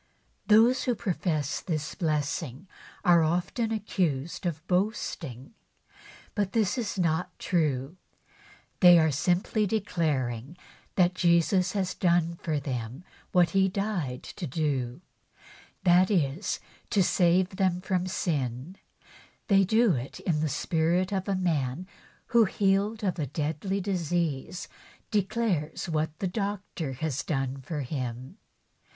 Those who profess this blessing are often accused of boasting. But this is not true. They are simply declaring that Jesus has done for them what He died to do — that is, to save them from sin, and they do it in the spirit of a man who, healed of a deadly disease, declares what the doctor has done for him.